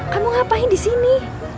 kamu ngapain di sini